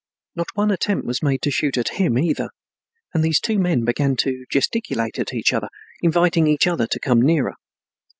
Not one attempt was made to shoot at him either, and these two men began to gesticulate at each other, inviting each other to come nearer.